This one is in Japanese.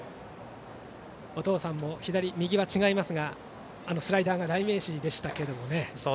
お父さんも左、右は違いますがスライダーが代名詞でしたけどね。